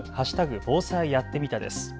防災やってみたです。